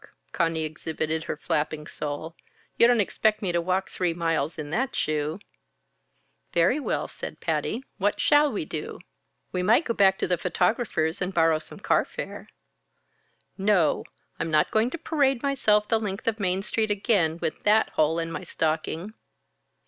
Conny exhibited her flapping sole. "You don't expect me to walk three miles in that shoe?" "Very well," said Patty. "What shall we do?" "We might go back to the photographer's and borrow some car fare." "No! I'm not going to parade myself the length of Main Street again with that hole in my stocking."